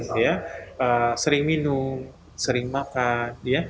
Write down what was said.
dia sering minum sering makan